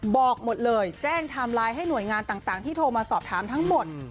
บอกหมดเลยแจ้งไทม์ไลน์ให้หน่วยงานต่างที่โทรมาสอบถามทั้งหมด